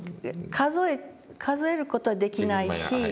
数える事はできないし。